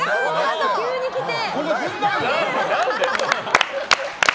急に来て。